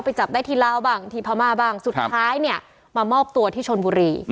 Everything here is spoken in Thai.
จับได้ที่ลาวบ้างที่พม่าบ้างสุดท้ายเนี่ยมามอบตัวที่ชนบุรี